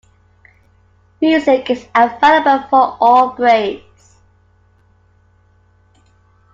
Music is available for all grades.